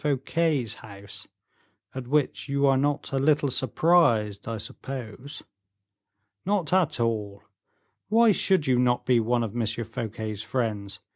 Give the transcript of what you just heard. Fouquet's house, at which you are not a little surprised, I suppose?" "Not at all; why should you not be one of M. Fouquet's friends?